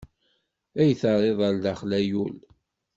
Ay terriḍ ar daxel a yul!